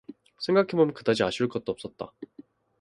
생각해보면 그다지 아쉬울 것도 없었다.